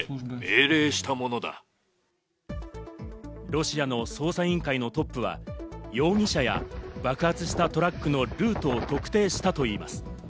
ロシアの捜査委員会のトップは容疑者や爆発したトラックのルートを特定したといいます。